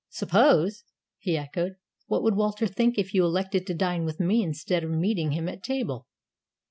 "Suppose!" he echoed. "What would Walter think if you elected to dine with me instead of meeting him at table?"